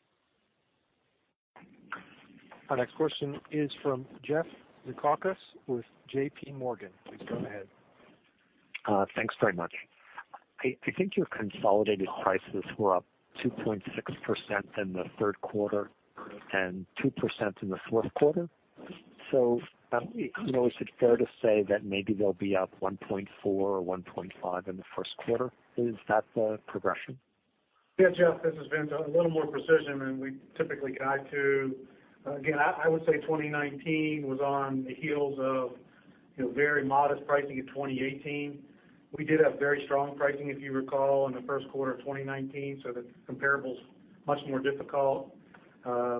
A: Our next question is from Jeffrey Zekauskas with J.P. Morgan. Please go ahead.
P: Thanks very much. I think your consolidated prices were up 2.6% in the third quarter and 2% in the fourth quarter. Is it fair to say that maybe they'll be up 1.4 or 1.5 in the first quarter? Is that the progression?
D: Yeah, Jeff, this is Vince. A little more precision than we typically guide to. Again, I would say 2019 was on the heels of very modest pricing in 2018. We did have very strong pricing, if you recall, in the first quarter of 2019. the comparable's much more difficult. I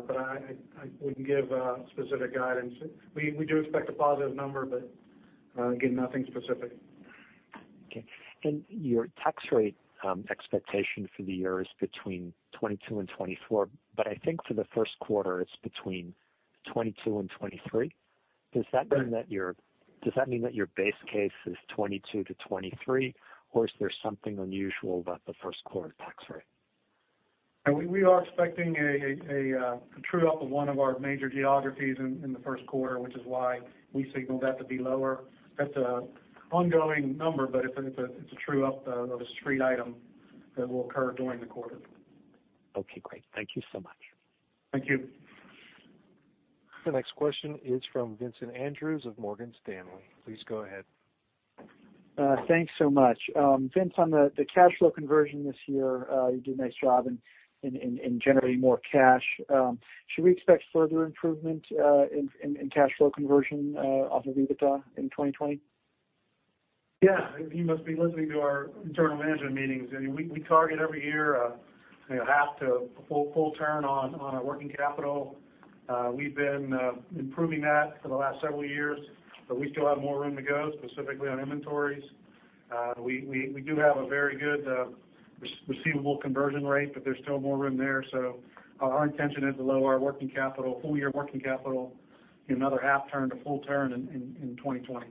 D: wouldn't give specific guidance. We do expect a positive number, but again, nothing specific.
P: Okay. Your tax rate expectation for the year is between 22 and 24, but I think for the first quarter, it's between 22 and 23.
D: Right.
P: Does that mean that your base case is 22-23, or is there something unusual about the first quarter tax rate?
D: We are expecting a true-up of one of our major geographies in the first quarter, which is why we signaled that to be lower. That's an ongoing number, but it's a true-up of a street item that will occur during the quarter.
P: Okay, great. Thank you so much.
D: Thank you.
A: The next question is from Vincent Andrews of Morgan Stanley. Please go ahead.
Q: Thanks so much. Vince, on the cash flow conversion this year, you did a nice job in generating more cash. Should we expect further improvement in cash flow conversion off of EBITDA in 2020?
D: Yeah. You must be listening to our internal management meetings. We target every year a half to a full turn on our working capital. We've been improving that for the last several years, but we still have more room to go, specifically on inventories. We do have a very good receivable conversion rate, but there's still more room there. Our intention is to lower our full-year working capital another half turn to full turn in 2020.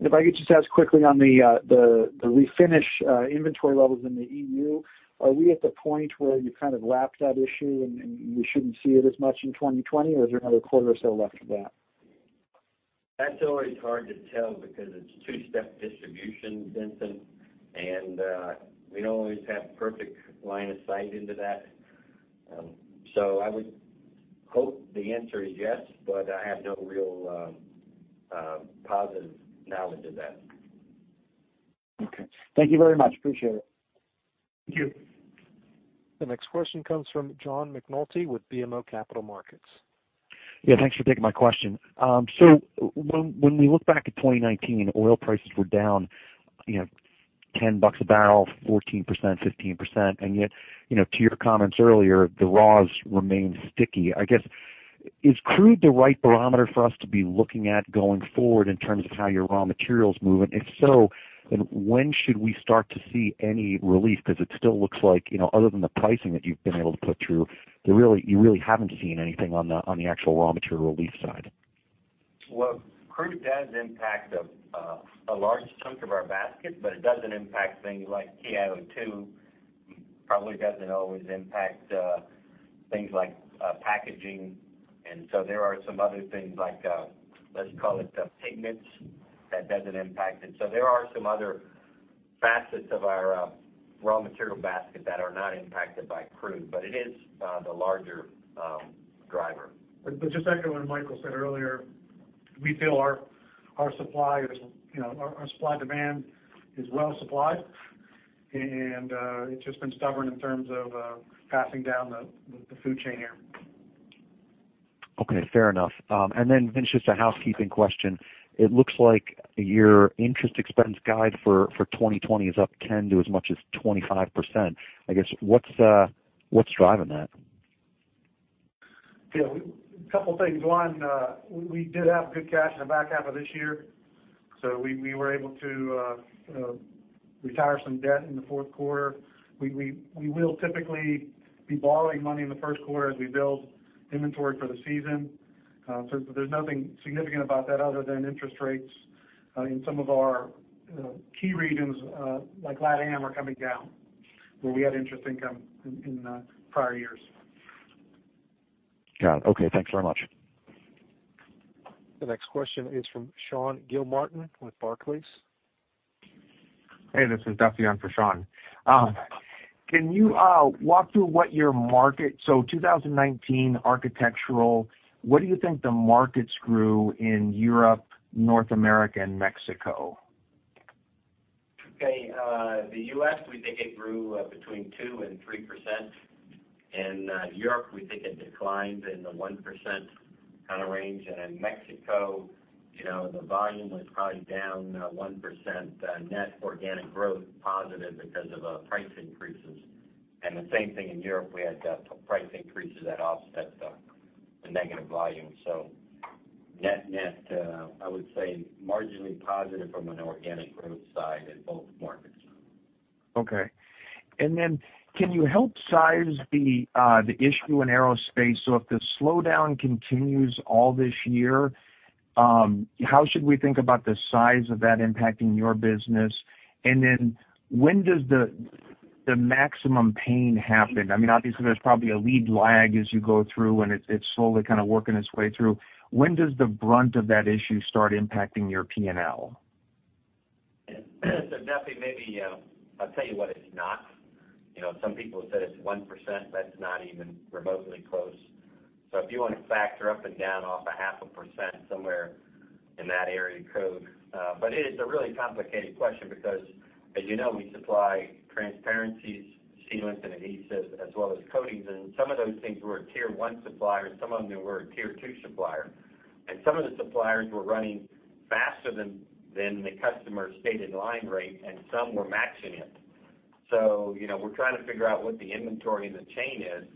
Q: If I could just ask quickly on the refinish inventory levels in the EU, are we at the point where you've kind of lapped that issue and we shouldn't see it as much in 2020 or is there another quarter or so left of that?
D: That's always hard to tell because it's two-step distribution, Vincent, and we don't always have perfect line of sight into that. I would hope the answer is yes, but I have no real positive knowledge of that.
Q: Okay. Thank you very much. Appreciate it.
D: Thank you.
A: The next question comes from John McNulty with BMO Capital Markets.
R: Yeah, thanks for taking my question. When we look back at 2019, oil prices were down 10 bucks a barrel, 14%, 15%, and yet, to your comments earlier, the raws remain sticky. I guess, is crude the right barometer for us to be looking at going forward in terms of how your raw material's moving? If so, then when should we start to see any relief? Because it still looks like, other than the pricing that you've been able to put through, you really haven't seen anything on the actual raw material relief side.
D: Well, crude does impact a large chunk of our basket, but it doesn't impact things like TIO2, probably doesn't always impact things like packaging, and so there are some other things like, let's call it the pigments, that doesn't impact it. there are some other facets of our raw material basket that are not impacted by crude, but it is the larger driver. just echoing what Michael said earlier, we feel our supply-demand is well supplied, and it's just been stubborn in terms of passing down the food chain here.
R: Okay, fair enough. Vince, just a housekeeping question. It looks like your interest expense guide for 2020 is up 10%-25%. I guess, what's driving that?
D: Yeah. A couple things. One, we did have good cash in the back half of this year, so we were able to retire some debt in the fourth quarter. We will typically be borrowing money in the first quarter as we build inventory for the season. There's nothing significant about that other than interest rates in some of our key regions, like LATAM, are coming down, where we had interest income in prior years.
R: Got it. Okay, thanks very much.
A: The next question is from Sean Gilmartin with Barclays.
S: Hey, this is Duffy in for Sean. Can you walk through so 2019 architectural, what do you think the markets grew in Europe, North America, and Mexico?
D: Okay. The U.S., we think it grew between 2% and 3%. In Europe, we think it declined in the 1% kind of range. In Mexico, the volume was probably down 1%, net organic growth positive because of price increases. The same thing in Europe, we had price increases that offset the negative volume. Net-net, I would say marginally positive from an organic growth side in both markets.
S: Okay. Can you help size the issue in aerospace? If the slowdown continues all this year, how should we think about the size of that impacting your business? When does the maximum pain happen? Obviously, there's probably a lead lag as you go through and it's slowly kind of working its way through. When does the brunt of that issue start impacting your P&L?
D: Duffy, maybe I'll tell you what it's not. Some people have said it's 1%, that's not even remotely close. If you want to factor up and down off a half a percent, somewhere in that area code. It is a really complicated question because as you know, we supply transparencies, sealants, and adhesives, as well as coatings, and some of those things we're a tier 1 supplier, some of them we're a tier 2 supplier. Some of the suppliers were running faster than the customer's stated line rate, and some were matching it. We're trying to figure out what the inventory in the chain is,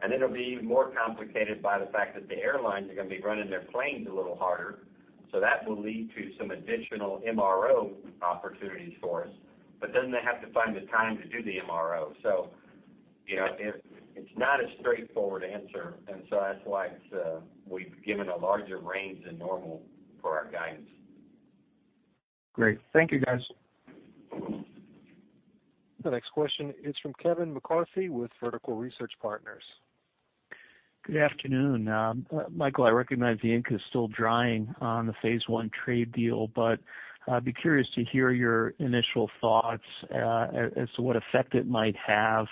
D: and it'll be even more complicated by the fact that the airlines are going to be running their planes a little harder, so that will lead to some additional MRO opportunities for us. they have to find the time to do the MRO. it's not a straightforward answer, and so that's why we've given a larger range than normal for our guidance.
S: Great. Thank you, guys.
A: The next question is from Kevin McCarthy with Vertical Research Partners.
T: Good afternoon. Michael, I recognize the ink is still drying on the Phase One trade deal, but I'd be curious to hear your initial thoughts as to what effect it might have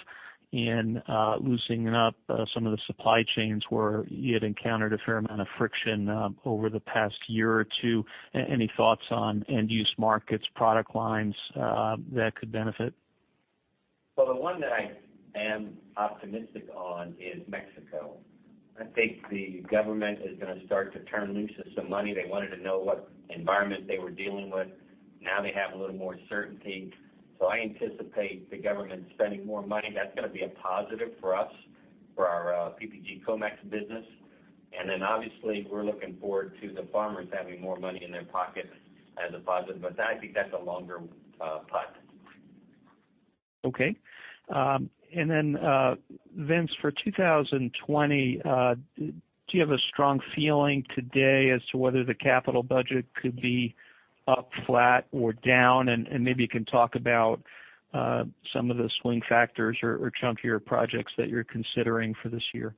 T: in loosening up some of the supply chains where you had encountered a fair amount of friction over the past year or two. Any thoughts on end-use markets, product lines that could benefit?
C: Well, the one that I am optimistic on is Mexico. I think the government is going to start to turn loose of some money. They wanted to know what environment they were dealing with. Now they have a little more certainty. I anticipate the government spending more money. That's going to be a positive for us, for our PPG Comex business. Obviously, we're looking forward to the farmers having more money in their pockets as a positive, but I think that's a longer play.
T: Okay. Vince, for 2020, do you have a strong feeling today as to whether the capital budget could be up, flat, or down? Maybe you can talk about some of the swing factors or chunkier projects that you're considering for this year.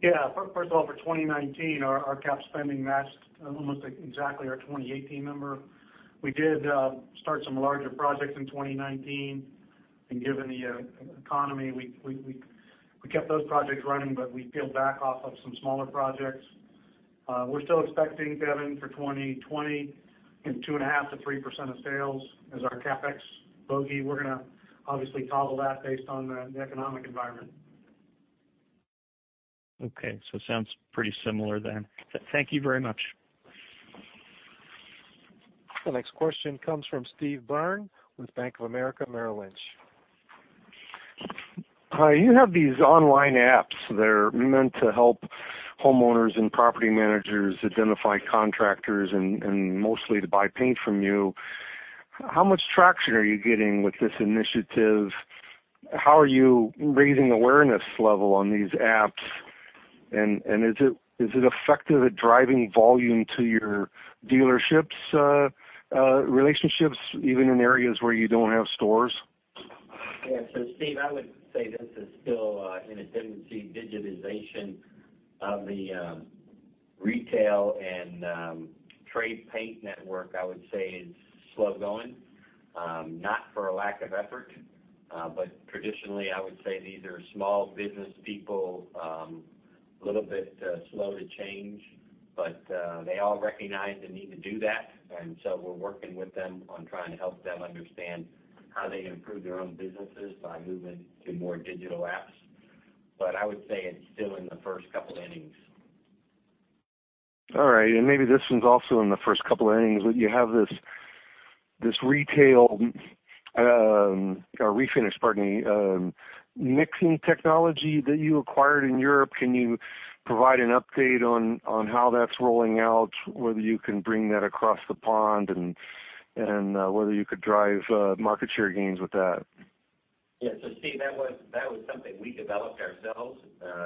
D: Yeah. First of all, for 2019, our cap spending matched almost exactly our 2018 number. We did start some larger projects in 2019, and given the economy, we kept those projects running, but we peeled back off of some smaller projects. We're still expecting, Kevin, for 2020, 2.5%-3% of sales as our CapEx bogey. We're going to obviously toggle that based on the economic environment.
T: Okay. Sounds pretty similar then. Thank you very much.
A: The next question comes from Steven Byrne with Bank of America Merrill Lynch.
U: Hi. You have these online apps that are meant to help homeowners and property managers identify contractors and mostly to buy paint from you. How much traction are you getting with this initiative? How are you raising awareness level on these apps? Is it effective at driving volume to your dealerships' relationships, even in areas where you don't have stores?
C: Yeah. Steve, I would say this is still in its infancy, digitization of the retail and trade paint network, I would say, is slow going. Not for a lack of effort. Traditionally, I would say these are small business people, little bit slow to change. They all recognize the need to do that, and so we're working with them on trying to help them understand how they can improve their own businesses by moving to more digital apps. I would say it's still in the first couple of innings.
U: All right. Maybe this one's also in the first couple of innings, but you have this refinish, pardon me, mixing technology that you acquired in Europe. Can you provide an update on how that's rolling out, whether you can bring that across the pond, and whether you could drive market share gains with that?
C: Yeah. Steve, that was something we developed ourselves.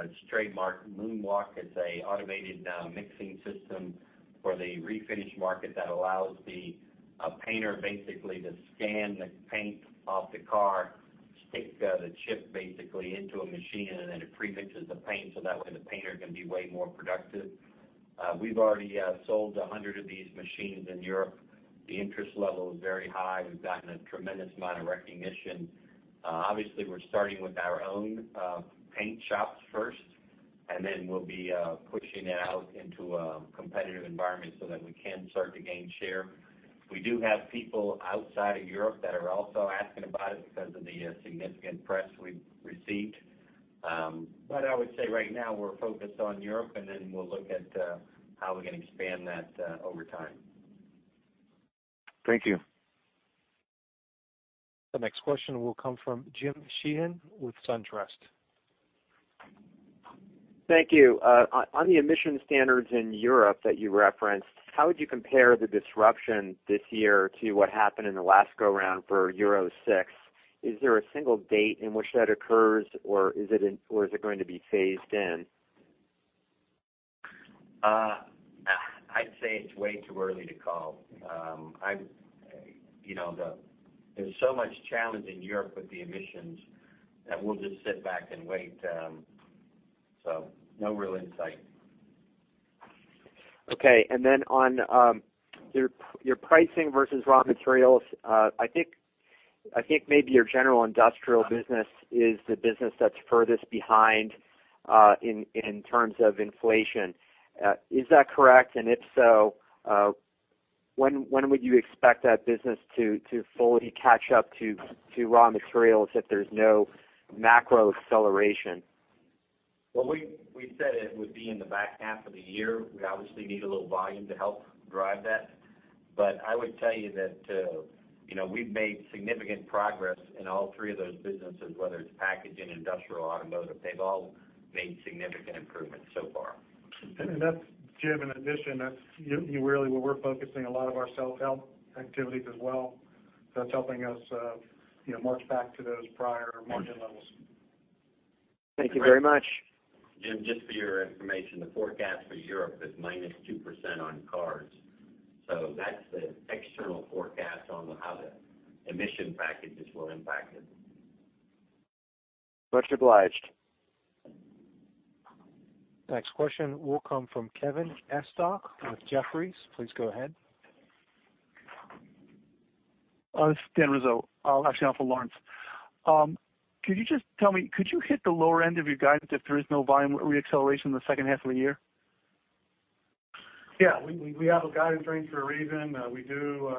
C: It's trademarked MoonWalk. It's a automated mixing system for the refinish market that allows the painter basically to scan the paint off the car, stick the chip basically into a machine, and then it premixes the paint, so that way the painter can be way more productive. We've already sold 100 of these machines in Europe. The interest level is very high. We've gotten a tremendous amount of recognition. Obviously, we're starting with our own paint shops first, and then we'll be pushing it out into a competitive environment so that we can start to gain share. We do have people outside of Europe that are also asking about it because of the significant press we've received. I would say right now we're focused on Europe, and then we'll look at how we can expand that over time.
U: Thank you.
A: The next question will come from James Sheehan with SunTrust.
V: Thank you. On the emission standards in Europe that you referenced, how would you compare the disruption this year to what happened in the last go round for Euro 6? Is there a single date in which that occurs, or is it going to be phased in?
C: I'd say it's way too early to call. There's so much challenge in Europe with the emissions that we'll just sit back and wait. no real insight.
V: Okay. on your pricing versus raw materials, I think maybe your general industrial business is the business that's furthest behind in terms of inflation. Is that correct? if so, when would you expect that business to fully catch up to raw materials if there's no macro acceleration?
C: Well, we said it would be in the back half of the year. We obviously need a little volume to help drive that. I would tell you that we've made significant progress in all three of those businesses, whether it's packaging, industrial, automotive. They've all made significant improvements so far.
D: that's, Jim, in addition, that's really where we're focusing a lot of our self-help activities as well. that's helping us march back to those prior margin levels.
V: Thank you very much.
C: Jim, just for your information, the forecast for Europe is minus 2% on cars. That's the external forecast on how the emission packages will impact it.
V: Much obliged.
A: Next question will come from Kevin McCarthy with Jefferies. Please go ahead.
W: This is Dan Rizzo. I'll actually ask for Lawrence. Could you just tell me, could you hit the lower end of your guidance if there is no volume re-acceleration in the second half of the year?
D: Yeah. We have a guidance range for a reason. We do.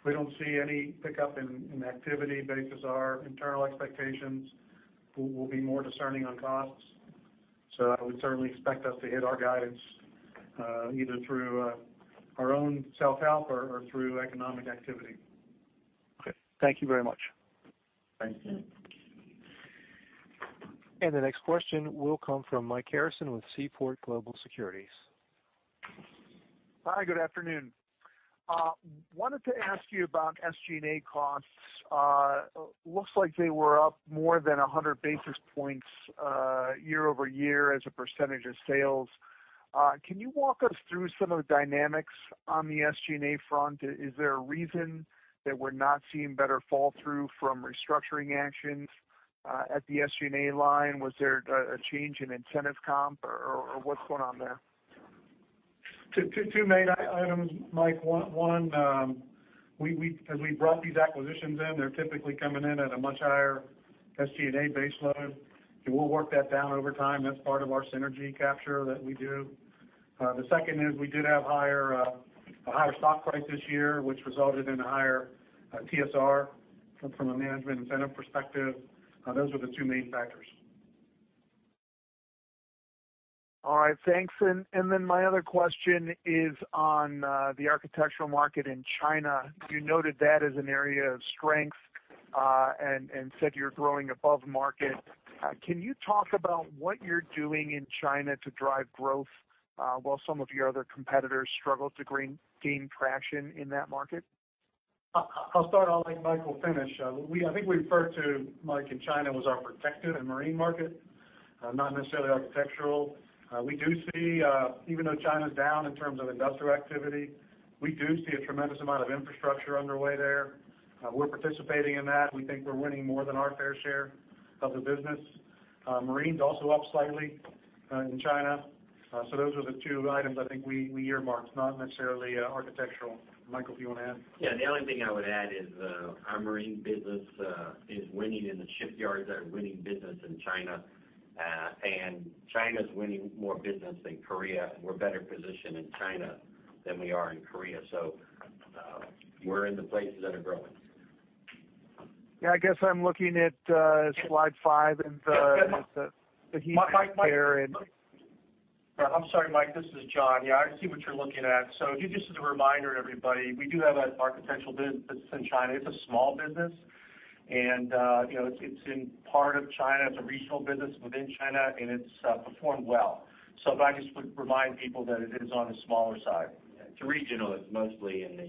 D: If we don't see any pickup in activity based as our internal expectations, we'll be more discerning on costs. I would certainly expect us to hit our guidance, either through our own self-help or through economic activity.
W: Okay. Thank you very much.
C: Thank you.
A: The next question will come from Mike Harrison with Seaport Global Securities.
X: Hi, good afternoon. Wanted to ask you about SG&A costs. Looks like they were up more than 100 basis points year-over-year as a percentage of sales. Can you walk us through some of the dynamics on the SG&A front? Is there a reason that we're not seeing better fall through from restructuring actions at the SG&A line? Was there a change in incentive comp, or what's going on there?
D: Two main items, Mike. One, as we brought these acquisitions in, they're typically coming in at a much higher SG&A base load, and we'll work that down over time. That's part of our synergy capture that we do. The second is we did have a higher stock price this year, which resulted in a higher TSR from a management incentive perspective. Those are the two main factors.
X: All right, thanks. My other question is on the architectural market in China. You noted that as an area of strength, and said you're growing above market. Can you talk about what you're doing in China to drive growth, while some of your other competitors struggle to gain traction in that market?
D: I'll start. I'll let Mike will finish. I think we referred to Mike, in China, was our protective and marine market, not necessarily architectural. Even though China's down in terms of industrial activity, we do see a tremendous amount of infrastructure underway there. We're participating in that. We think we're winning more than our fair share of the business. Marine's also up slightly in China. those are the two items I think we earmarked, not necessarily architectural. Michael, if you want to add.
C: Yeah, the only thing I would add is our marine business is winning in the shipyards that are winning business in China. China's winning more business than Korea. We're better positioned in China than we are in Korea. We're in the places that are growing.
X: Yeah, I guess I'm looking at slide five and the heat map there
B: I'm sorry, Mike, this is John. Yeah, I see what you're looking at. Just as a reminder to everybody, we do have an architectural business in China. It's a small business and it's in part of China. It's a regional business within China, and it's performed well. If I just would remind people that it is on the smaller side.
C: It's regional. It's mostly in the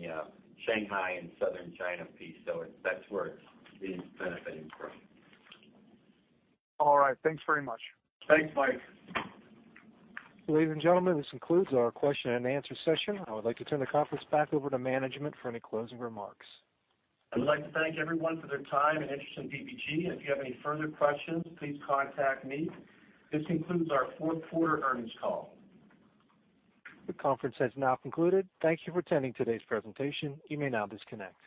C: Shanghai and Southern China piece. That's where it's benefiting from.
X: All right. Thanks very much.
D: Thanks, Mike.
A: Ladies and gentlemen, this concludes our question and answer session. I would like to turn the conference back over to management for any closing remarks.
B: I would like to thank everyone for their time and interest in PPG, and if you have any further questions, please contact me. This concludes our fourth quarter earnings call.
A: The conference has now concluded. Thank you for attending today's presentation. You may now disconnect.